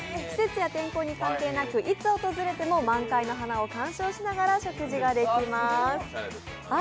季節や天候に関係なくいつ訪れても満開の花を観賞しながら食事ができます。